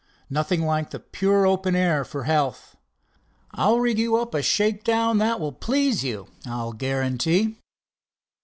"Nothing like the pure open air for health. I'll rig you up a shakedown that will please you, I'll guarantee."